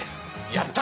やった！